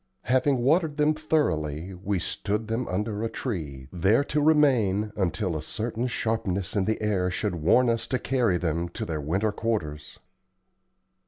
Having watered them thoroughly, we stood them under a tree, there to remain until a certain sharpness in the air should warn us to carry them to their winter quarters.